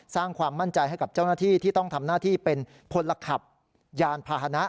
สร้างความมั่นใจให้กับเจ้าหน้าที่ที่ต้องทำหน้าที่เป็นพลขับยานพาหนะ